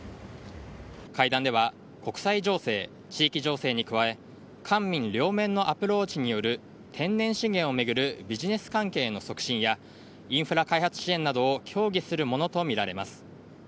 会談では国際情勢地域情勢に加え官民両面のアプローチによる天然資源を巡るビジネス関係の促進やインフラ開発支援などを協議するものとみられます。